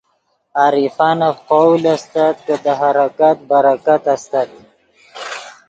عارفانف قول استت کہ دے حرکت برکت استت